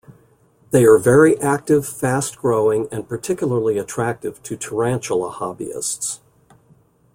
They are very active, fast-growing and particularly attractive to tarantula hobbyists.